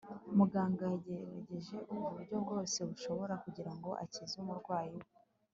muganga yagerageje uburyo bwose bushoboka kugirango akize umurwayi we